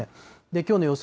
きょうの予想